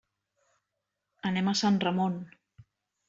Anem a Sant Ramon.